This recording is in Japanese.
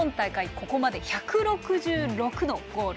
ここまで１６６のゴール。